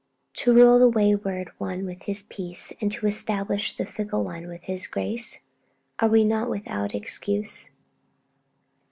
to rule the wayward one with His peace, and to establish the fickle one with His grace? Are we not 'without excuse'?